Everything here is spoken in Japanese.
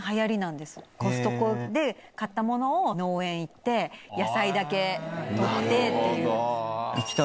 コストコで買ったものを農園行って野菜だけとってっていう。